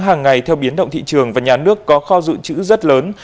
hàng ngày theo biến động thị trường và nhà nước có kho dự trữ rất lớn